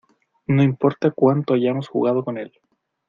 No importa cuánto hayamos jugado con él.